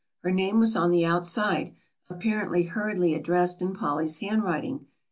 Her name was on the outside, apparently hurriedly addressed in Polly's handwriting.